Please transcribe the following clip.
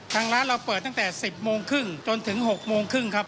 ทางร้านเราเปิดตั้งแต่๑๐โมงครึ่งจนถึง๖โมงครึ่งครับ